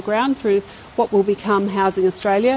melalui apa yang akan menjadi housing australia